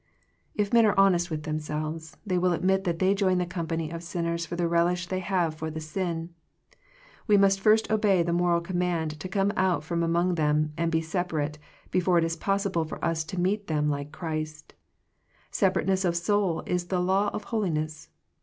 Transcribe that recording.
If men are honest with them selves, they will admit that they join the company of sinners, for the relish they have for the sin. We must first obey the moral command to come out from among them and be separate, before it is possi ble for us to meet them like Christ Separateness of soul is the law of holi ness.